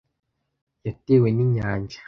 Yatewe n’inyanja.